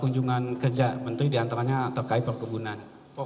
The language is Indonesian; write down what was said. kunjungan kerja menteri diantaranya terkait perkebunan